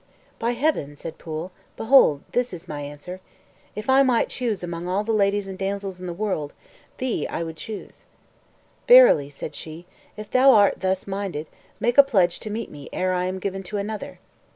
"By Heaven," said Pwyll, "behold this is my answer. If I might choose among all the ladies and damsels in the world, thee would I choose." "Verily," said she, "if thou art thus minded, make a pledge to meet me ere I am given to another."